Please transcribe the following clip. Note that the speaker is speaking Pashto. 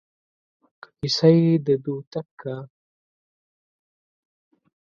که کيسه يې د دوتک کا